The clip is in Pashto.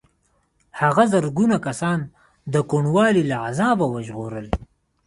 هغه زرګونه کسان د کوڼوالي له عذابه وژغورل.